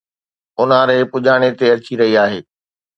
اونهاري پڄاڻي تي اچي رهي آهي